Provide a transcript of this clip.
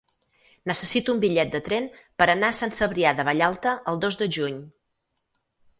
Necessito un bitllet de tren per anar a Sant Cebrià de Vallalta el dos de juny.